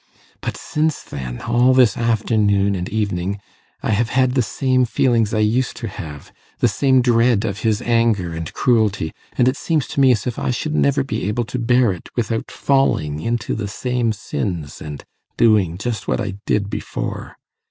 But since then all this afternoon and evening I have had the same feelings I used to have, the same dread of his anger and cruelty, and it seems to me as if I should never be able to bear it without falling into the same sins, and doing just what I did before.